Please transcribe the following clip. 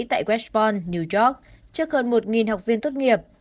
tại westppon new york trước hơn một học viên tốt nghiệp